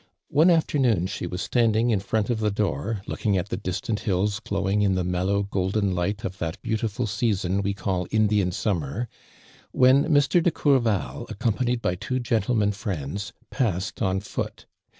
One after noon she was standing in front of the door, looking at the distant hills glowing in the mellow, golden light of that beautiful season we call Indian summer, when Mr. de Cour val, accompanied by two gentlemen friends, passed on foot.